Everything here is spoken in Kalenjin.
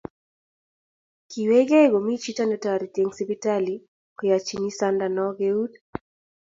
kikwerkei komi chito netoreti eng sipitali koyochini sandanot keut